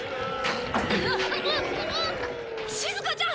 しずかちゃん！